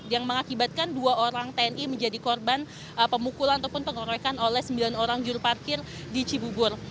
yang mengakibatkan dua orang tni menjadi korban pemukulan ataupun pengeroyokan oleh sembilan orang juru parkir di cibubur